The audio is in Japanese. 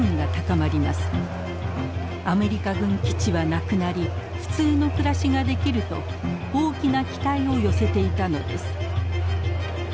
アメリカ軍基地はなくなり普通の暮らしができると大きな期待を寄せていたのです。